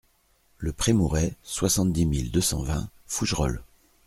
Le Prémourey, soixante-dix mille deux cent vingt Fougerolles